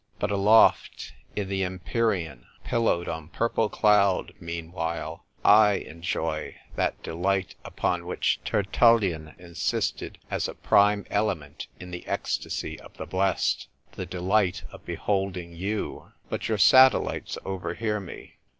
But aloft in the empyrean, pillowed on purple cloud, meanwhile, I enjoy that delight upon which Tertullian insisted as a prime element in the ecstasy of the Blest — the delight of beholding you But your satellites overhear me